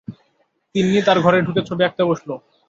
তিন্নি তার ঘরে ঢুকে ছবি আঁকতে বসল।